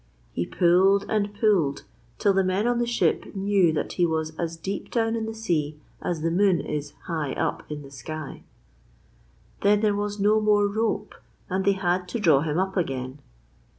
He pulled and pulled till the men on the ship knew that he was as deep down in the sea as the moon is high up in the sky; then there was no more rope and they had to draw him up again.